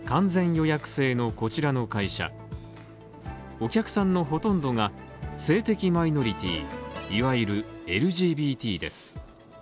お客さんのほとんどが、性的マイノリティ、いわゆるＬＧＢＴです。